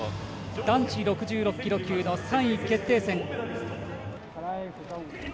男子６６キロ級の３位決定戦。